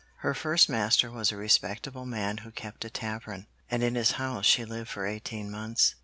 Her first master was a respectable man who kept a tavern, and in his house she lived for eighteen months.